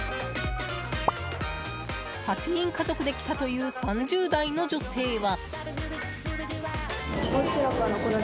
８人家族で来たという３０代の女性は。